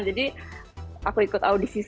jadi aku ikut audisi